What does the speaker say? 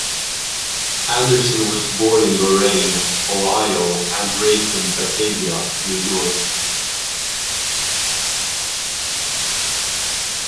Anderson was born in Lorain, Ohio and raised in Batavia, New York.